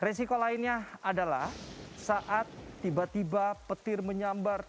resiko lainnya adalah saat tiba tiba petir menyambar